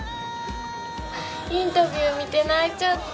インタビュー見て泣いちゃった。